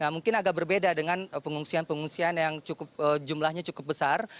mungkin agak berbeda dengan pengungsian pengungsian yang jumlahnya cukup besar